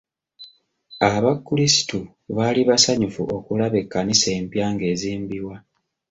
Abakrisitu baali basanyufu okulaba ekkanisa empya ng'ezimbibwa.